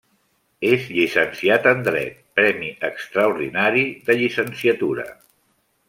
És llicenciat en Dret, Premi Extraordinari de Llicenciatura.